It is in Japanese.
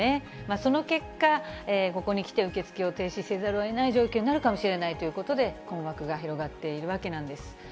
その結果、ここにきて、受け付けを停止せざるをえない状況になるかもしれないということで、困惑が広がっているわけなんです。